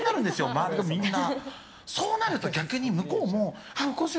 周りがみんな。